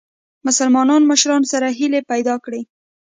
مسلمانو مشرانو سره هیلي پیدا کړې.